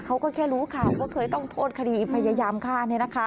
เขาก็แค่รู้ข่าวว่าเคยต้องโทษคดีพยายามฆ่า